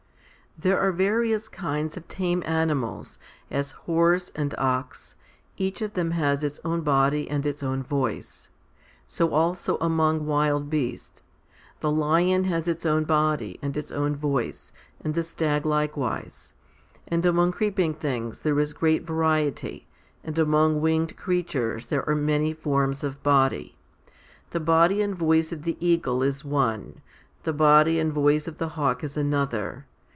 There are various kinds of tame animals, as horse and ox. Each of them has its own body and its own voice. So also among wild beasts ; the lion has its own body and its own voice, and the stag likewise. And among creeping things there is great variety, and among winged creatures there are many forms of body. The body and voice of the eagle is one, the body and voice of the hawk is another.